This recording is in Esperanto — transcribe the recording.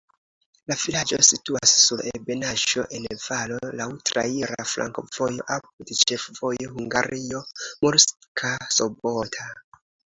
La vilaĝo situas sur ebenaĵo en valo, laŭ traira flankovojo apud ĉefvojo Hungario-Murska Sobota.